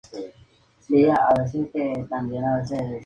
Verne estaba interesado en la poesía y la ciencia.